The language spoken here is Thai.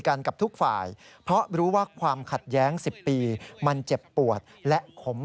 กรณีนี้ทางด้านของประธานกรกฎาได้ออกมาพูดแล้ว